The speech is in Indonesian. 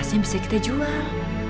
harusnya bisa kita jual